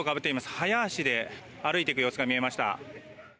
早足で歩いていく様子が見えました。